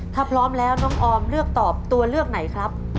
ถ้าพร้อมแล้วน้องออมเลือกตอบตัวเลือกไหนครับ